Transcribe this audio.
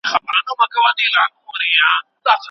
د ښوونځیو شاوخوا امنیت تل خوندي نه و.